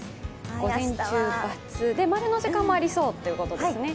午前×、○の時間もありそうということですね。